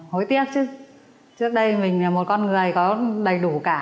hối tiếc chứ trước đây mình là một con người này có đầy đủ cả